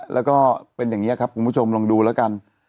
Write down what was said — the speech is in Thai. แล้วก็เป็นอย่างนี้ครับคุณผู้ชมลองดูแล้วกัน